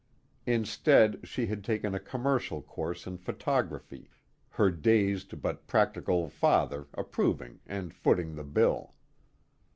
Instead she had taken a commercial course in photography, her dazed but practical father approving and footing the bill.